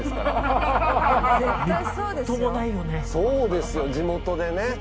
そうですよ地元でね。